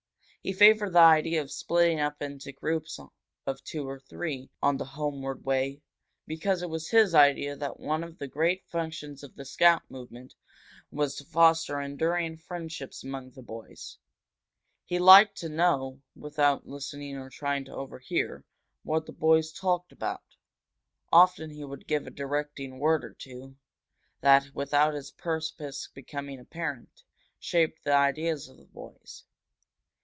He favored the idea of splitting up into groups of two or three on the homeward way, because it was his idea that one of the great functions of the Scout movement was to foster enduring friendships among the boys. He liked to know, without listening or trying to overhear, what the boys talked about; often he would give a directing word or two, that, without his purpose becoming apparent, shaped the ideas of the boys.